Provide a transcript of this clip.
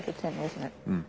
うん。